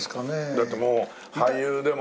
だってもう俳優でも。